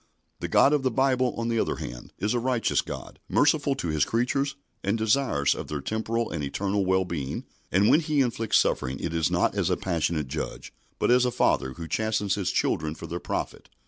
The God of the Bible, on the other hand, is a righteous God, merciful to His creatures, and desirous of their temporal and eternal wellbeing, and when He inflicts suffering it is not as a passionate Judge, but as a Father who chastens His children for their profit.